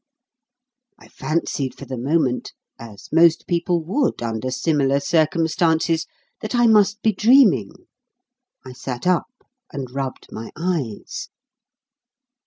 I fancied for the moment, as most people would under similar circumstances, that I must be dreaming. I sat up, and rubbed my eyes.